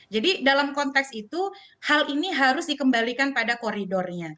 jadi dalam konteks itu hal ini harus dikembalikan pada koridornya